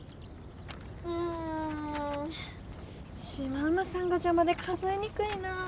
うんシマウマさんがじゃまで数えにくいなぁ。